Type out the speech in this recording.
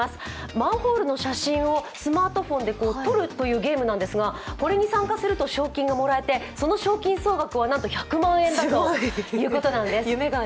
マンホールの写真をスマートフォンで撮るというものなんですがこれに参加すると賞金がもらえて、その賞金総額はなんと１００万円だということなんです。